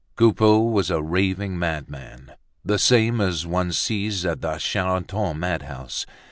Coupeau was a raving madman, the same as one sees at the Charenton mad house!